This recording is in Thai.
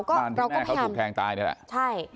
บ้านที่แม่เค้าถูกแท้นตายเลย